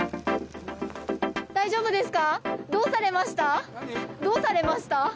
大丈夫ですか？